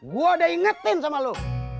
gue udah ingetin sama lo